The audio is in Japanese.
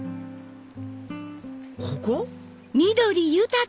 ここ？